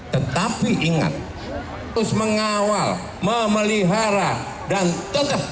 tetapi ingat terus mengawal memelihara dan tetap